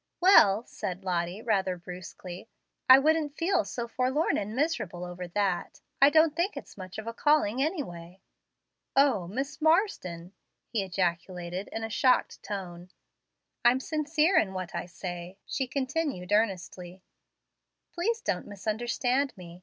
"Well," said Lottie, rather brusquely, "I wouldn't feel so forlorn and miserable over that. I don't think it's much of a calling anyway." "O Miss Marsden!" he ejaculated, in a shocked tone. "I'm sincere in what I say," she continued earnestly, "Please don't misunderstand me.